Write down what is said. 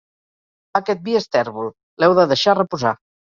Aquest vi és tèrbol: l'heu de deixar reposar.